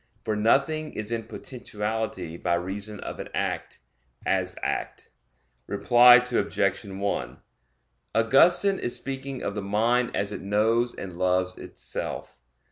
For nothing is in potentiality by reason of an act, as act. Reply Obj. 1: Augustine is speaking of the mind as it knows and loves itself.